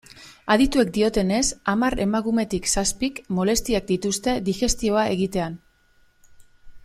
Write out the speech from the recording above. Adituek diotenez, hamar emakumetik zazpik molestiak dituzte digestioa egitean.